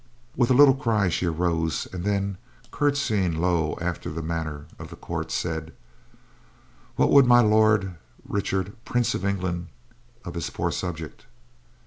With a little cry she arose, and then, curtsying low after the manner of the court, said: "What would My Lord Richard, Prince of England, of his poor subject?"